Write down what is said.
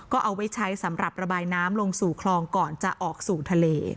ก็เอาไว้ใช้สำหรับระบายน้ำลงสู่คลองก่อนจะออกสู่ทะเล